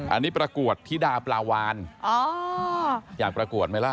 อันนี้ประกวดธิดาปลาวานอ๋ออยากประกวดไหมล่ะ